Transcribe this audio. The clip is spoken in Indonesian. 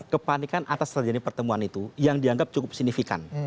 kepanikan atas terjadi pertemuan itu yang dianggap cukup signifikan